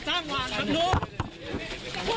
โชว์บ้านในพื้นที่เขารู้สึกยังไงกับเรื่องที่เกิดขึ้น